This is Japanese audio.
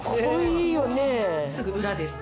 すぐ裏です。